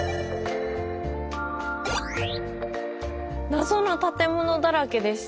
謎の建物だらけでしたね。